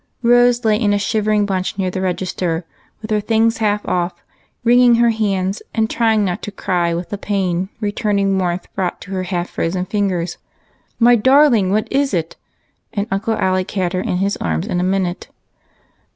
Rose lay in a shivering bunch near the register, with her things half off, wringing her hands, and trying not to cry with the pain returning warmth brought to her half frozen fingers. " My darling, what is it ?" and Uncle Alec had her in his arms in a minute.